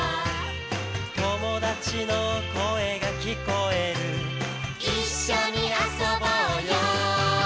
「友達の声が聞こえる」「一緒に遊ぼうよ」